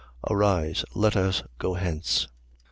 Arise, let us go hence.